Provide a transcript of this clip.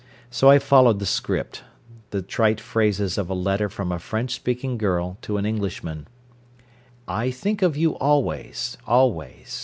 So I followed the script: the trite phrases of a letter from a French speaking girl to an Englishman. "I think of you always, always.